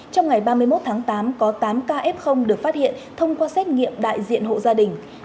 trong ngày ba mươi một tháng tám có tám ca f được phát hiện thông qua xét nghiệm đại diện hộ gia đình